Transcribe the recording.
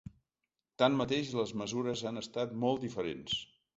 Tanmateix, les mesures han estat molt diferents.